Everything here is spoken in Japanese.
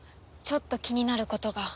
ちょっと気になることが。